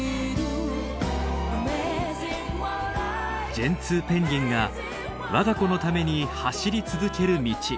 ジェンツーペンギンが我が子のために走り続ける道。